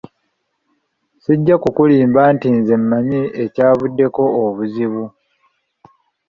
Sijja kukulimba nti nze mmanyi ekyavuddeko obuzibu!